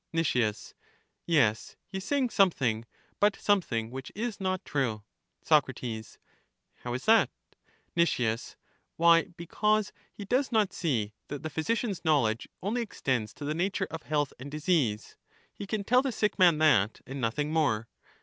Nic, Yes, he is saying something, but something which is not true. Soc, How is that? Nic, Why, because he does not see that the physi cian's knowledge only extends to the nature of health and disease: he can tell the sick man that, and noth ing more.